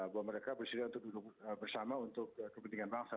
bahwa mereka bersedia untuk duduk bersama untuk kepentingan bangsa